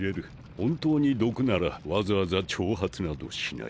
本当に毒ならわざわざ挑発などしない。